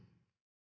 terima kasih ya